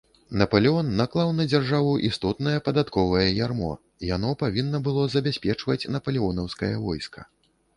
Напалеон наклаў на дзяржаву істотнае падатковае ярмо, яно павінна было забяспечваць напалеонаўскае войска.